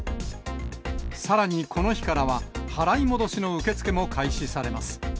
さらにこの日からは、払い戻しの受け付けも開始されます。